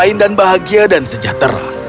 kain dan bahagia dan sejahtera